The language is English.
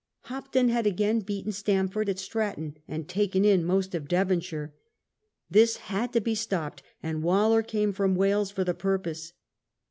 Hopton had again beaten Stamford at Stratton and "taken in" most of Devonshire. This had to be stopped, and Waller came from Wales for the pur pose.